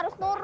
yuk pulang ya